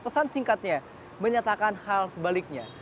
pesan singkatnya menyatakan hal sebaliknya